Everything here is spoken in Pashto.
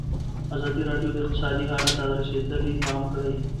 ازادي راډیو د اقتصاد حالت ته رسېدلي پام کړی.